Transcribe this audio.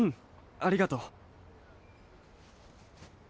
ありがとう。